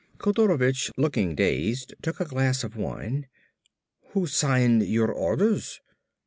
Kodorovich, looking dazed, took a glass of wine. "Who signed your orders?"